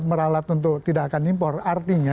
meralat untuk tidak akan impor artinya